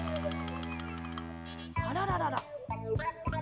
あらららら。